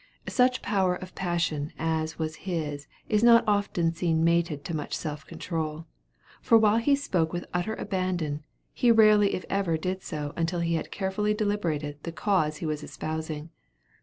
Such power of passion as was his is not often seen mated to such self control; for while he spoke with utter abandon, he rarely if ever did so until he had carefully deliberated the cause he was espousing.